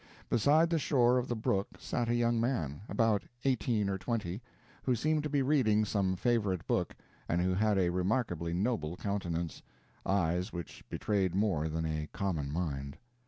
Beside the shore of the brook sat a young man, about eighteen or twenty, who seemed to be reading some favorite book, and who had a remarkably noble countenance eyes which betrayed more than a common mind.